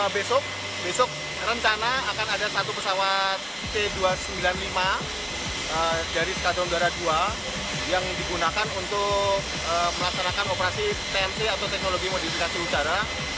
besok besok rencana akan ada satu pesawat t dua ratus sembilan puluh lima dari skadonggara dua yang digunakan untuk melaksanakan operasi tmc atau teknologi modifikasi udara